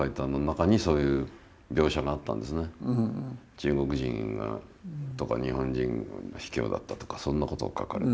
「中国人が」とか「日本人ひきょうだった」とかそんなことを書かれて。